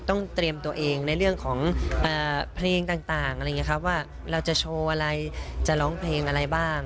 ต้องเตรียมตัวเองในเรื่องของเพลงต่างว่าเราจะโชว์อะไรจะร้องเพลงอะไรบ้าง